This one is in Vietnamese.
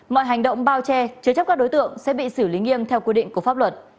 mọi hành động bao che chứa chấp các đối tượng sẽ bị xử lý nghiêm theo quy định của pháp luật